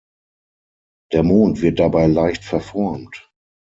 Der Mond wird dabei leicht verformt.